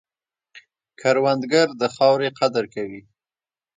کروندګر د خاورې قدر کوي